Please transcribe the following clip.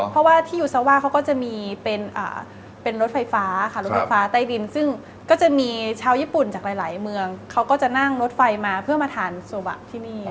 เพราะว่าที่ยูซาว่าเขาก็จะมีเป็นรถไฟฟ้าค่ะรถไฟฟ้าใต้ดินซึ่งก็จะมีชาวญี่ปุ่นจากหลายเมืองเขาก็จะนั่งรถไฟมาเพื่อมาทานโซบะที่นี่